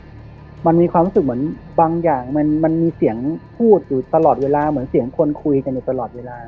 มันมีความรู้สึกเหมือนบางอย่างมันมีเสียงพูดอยู่ตลอดเวลาเหมือนเสียงคนคุยกันอยู่ตลอดเวลา